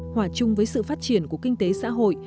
hòa chung với sự phát triển của kinh tế xã hội